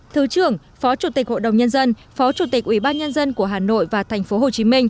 thứ trưởng phó chủ tịch hội đồng nhân dân phó chủ tịch ủy ban nhân dân của hà nội và tp hcm